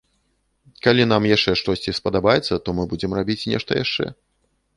Калі нам яшчэ штосьці спадабаецца, то мы будзем рабіць нешта яшчэ.